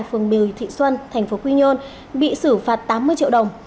phường một mươi thị xuân thành phố quy nhơn bị xử phạt tám mươi triệu đồng